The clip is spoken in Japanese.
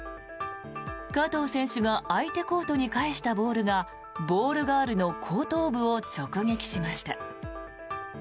加藤選手が相手コートに返したボールがボールガールの後頭部を直撃しました。